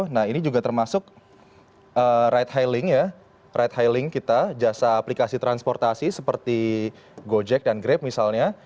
nah ini juga termasuk ride hailing ya ride hailing kita jasa aplikasi transportasi seperti gojek dan grab misalnya